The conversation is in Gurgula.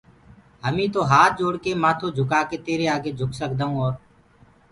هميٚ تو هآت جوڙّڪي مآٿو جھڪآڪي تيري آگي جھڪ سگدآئو اور